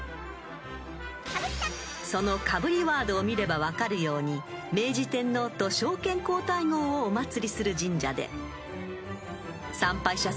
［そのかぶりワードを見れば分かるように明治天皇と昭憲皇太后をお祭りする神社で］